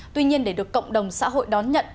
tuy nhiên để được cộng đồng xã hội đón nhận